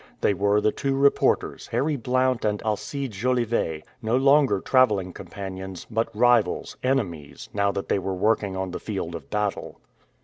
They were the two reporters, Harry Blount and Alcide Jolivet, no longer traveling companions, but rivals, enemies, now that they were working on the field of battle.